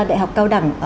đại học cao đẳng